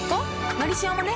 「のりしお」もね